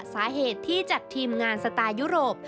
สาเหตุที่จัดทีมงานสไตล์ยุโรป